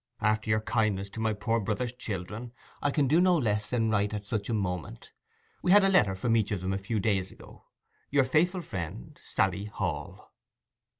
After your kindness to my poor brother's children, I can do no less than write at such a moment. We had a letter from each of them a few days ago.—Your faithful friend, 'SALLY HALL.